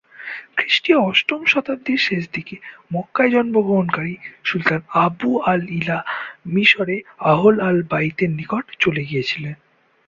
খ্রিস্টীয় অষ্টম শতাব্দীর শেষদিকে মক্কায় জন্মগ্রহণকারী, সুলতান আবু আল-ইলা মিশরে আহল আল-বাইত এর নিকটে চলে গিয়েছিলেন।